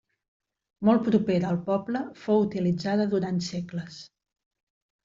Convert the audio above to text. Molt propera al poble, fou utilitzada durant segles.